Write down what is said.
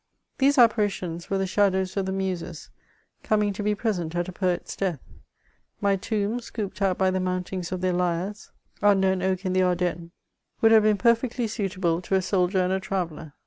These apparitions were the ^adows of the Muses, coming to be present at a poet's death ; my tomb, scooped out by the mountings of their lyres, under an oak in the Ardennes, would have been perfectly suitable to a soldier \ and a traveller.